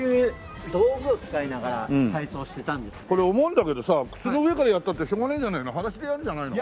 これ思うんだけどさ靴の上からやったってしょうがないんじゃないの？